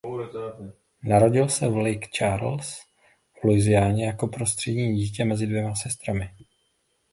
Narodil se v Lake Charles v Louisianě jako prostřední dítě mezi dvěma sestrami.